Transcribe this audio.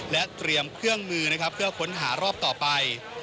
และเตรียมเครื่องมือนะครับเพื่อค้นหารอบต่อไป